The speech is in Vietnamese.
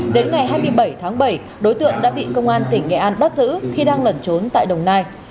đến ngày hai mươi bảy tháng bảy đối tượng đã bị công an tỉnh nghệ an bắt giữ khi đang lẩn trốn tại đồng nai